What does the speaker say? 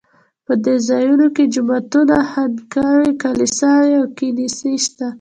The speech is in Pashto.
په دې ځایونو کې جوماتونه، خانقاوې، کلیساوې او کنیسې شته.